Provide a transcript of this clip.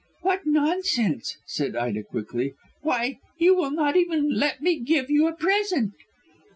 "What nonsense," said Ida quickly; "why, you will not even let me give you a present."